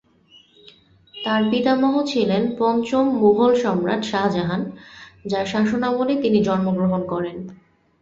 তার পিতামহ ছিলেন পঞ্চম মুগল সম্রাট শাহজাহান, যার যার শাসনামলে তিনি জন্মগ্রহণ করেন।